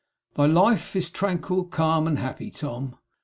Thy life is tranquil, calm, and happy, Tom.